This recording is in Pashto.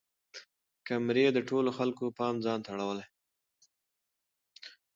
کمرې د ټولو خلکو پام ځان ته اړولی.